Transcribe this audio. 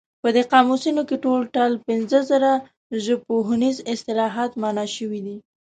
په دې قاموس کې ټول ټال پنځه زره ژبپوهنیز اصطلاحات مانا شوي دي.